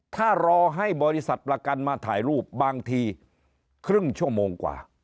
ถ้ารอให้บริษัทประกันมาถ่ายรูปบางทีครึ่งชั่วโมงกว่า